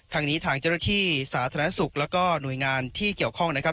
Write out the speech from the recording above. ทางนี้ทางเจ้าหน้าที่สาธารณสุขแล้วก็หน่วยงานที่เกี่ยวข้องนะครับ